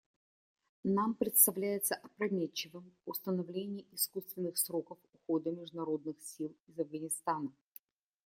Нам представляется опрометчивым установление искусственных сроков ухода международных сил из Афганистана.